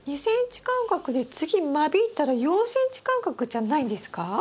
２ｃｍ間隔で次間引いたら４ｃｍ間隔じゃないんですか？